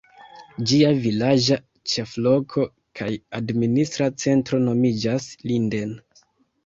Ĝia vilaĝa ĉefloko kaj administra centro nomiĝas Linden.